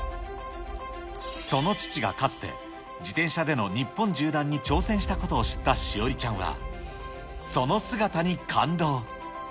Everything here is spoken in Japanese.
その父がかつて、自転車での日本縦断に挑戦したことを知った志織ちゃんはその姿に感動。